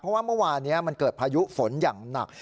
เพราะว่าเมื่อวานนี้มันเกิดพายุฝนอย่างหนัก